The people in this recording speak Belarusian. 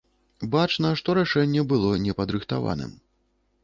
Бачна, што рашэнне было непадрыхтаваным.